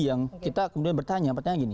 yang kita kemudian bertanya